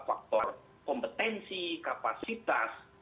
faktor kompetensi kapasitas